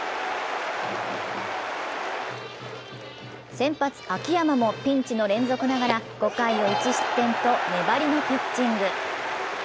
先発・秋山もピンチの連続ながら５回を１失点と粘りのピッチング。